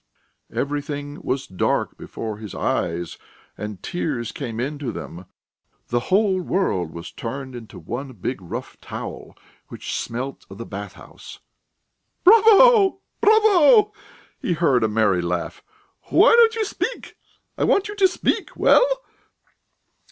Everything was dark before his eyes, and tears came into them. The whole world was turned into one big, rough towel which smelt of the bathhouse. "Bravo, bravo!" he heard a merry laugh. "Why don't you speak? I want you to speak! Well?"